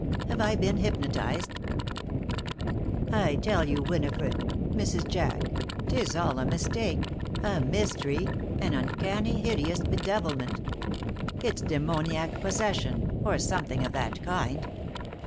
Have I been hypnotized? I tell you, Winifred Mrs. Jack 'tis all a mistake, a mystery, an uncanny, hideous bedevilment. It's demoniac possession or something of that kind.